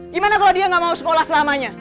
gimana kalo dia gak mau sekolah selamanya